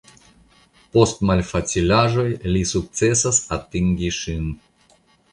Post malfacilaĵoj li sukcesas atingi ŝin.